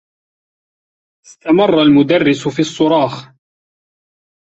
استمرّ المدرّس في الصّراخ.